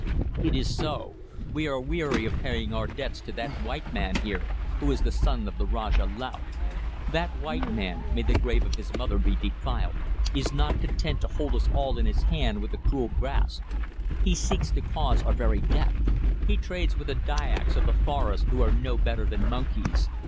"It is so. We are weary of paying our debts to that white man here, who is the son of the Rajah Laut. That white man may the grave of his mother be defiled! is not content to hold us all in his hand with a cruel grasp. He seeks to cause our very death. He trades with the Dyaks of the forest, who are no better than monkeys.